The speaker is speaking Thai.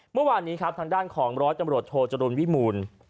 เมื่อวานนี้ทางด้านของร้อยจำรวจโทรจรูนวิหมูล